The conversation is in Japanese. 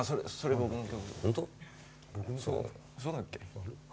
そうだっけ？